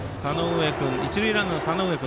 一塁ランナーの田上君